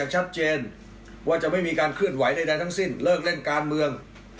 ก็หลากหลายอารมณ์